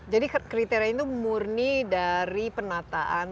jadi kriteria itu murni dari penataan